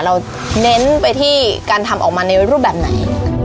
เน้นไปที่การทำออกมาในรูปแบบไหน